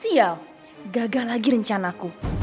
sial gagal lagi rencanaku